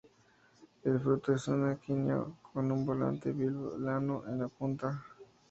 El fruto es un aquenio con un volante vilano en la punta.